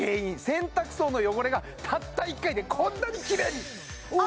洗濯槽の汚れがたった１回でこんなキレイにおお！